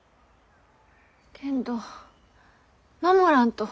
けんど守らんと。